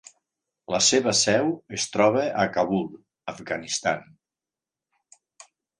La seva seu es troba a Kabul, Afganistan.